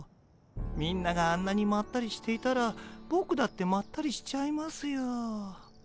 みんながあんなにまったりしていたらボクだってまったりしちゃいますよ。